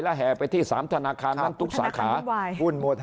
แล้วแห่ไปที่สามธนาคารครับธนาคารมุ่นวายมุ่นหมด